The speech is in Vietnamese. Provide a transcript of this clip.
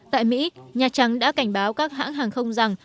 tại mỹ nhà trắng đã cảnh báo các hãng hàng không rằng